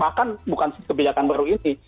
bahkan bukan kebijakan baru ini